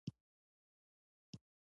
ډاکتر حسن حنفي پر وینا ظریف نقد وکړ.